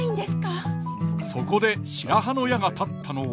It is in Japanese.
そこで白羽の矢が立ったのは。